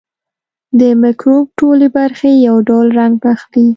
د مکروب ټولې برخې یو ډول رنګ اخلي.